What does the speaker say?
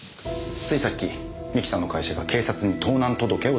ついさっき三木さんの会社が警察に盗難届を出しました。